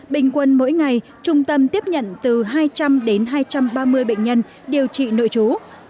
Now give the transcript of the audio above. bình quân mỗi ngày trung tâm tiếp nhận từ hai trăm linh đến hai trăm ba mươi bệnh nhân điều trị nội trú